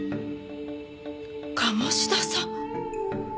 鴨志田さん！？